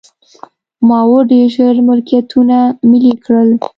ماوو ډېر ژر ملکیتونه ملي کړل.